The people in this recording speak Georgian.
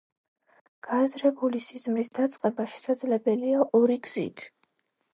გააზრებული სიზმრის დაწყება შესაძლებელია ორი გზით.